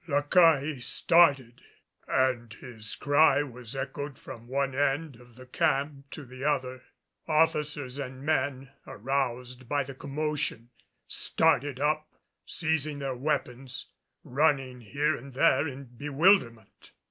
La Caille started and his cry was echoed from one end of the camp to the other. Officers and men, aroused by the commotion, started up, seizing their weapons, running here and there in bewilderment.